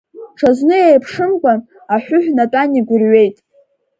Ҽазны иеиԥшымкәан, аҳәыҳә натәан, игәырҩеит.